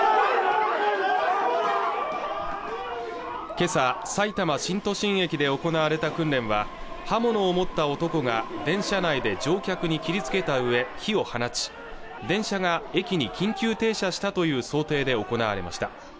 今朝さいたま新都心駅で行われた訓練は刃物を持った男が電車内で乗客に切りつけたうえ火を放ち電車が駅に緊急停車したという想定で行われました